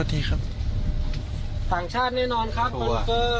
โทษทีครับต่างชาติแน่นอนครับตัวเติมอยู่ตรงหัวเรือ